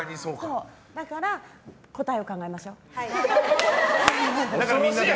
だから、答えを考えましょう。